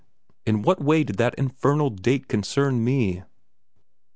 In what way did that infernal date concern me?